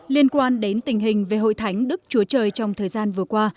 liên quan đến tình hình về hội thánh đức chúa trời trong thời gian vừa qua